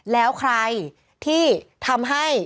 แล้วใครที่ทำให้